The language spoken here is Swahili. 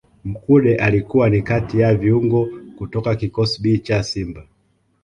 Mkude alikuwa ni kati ya viungo kutoka kikosi B cha Simba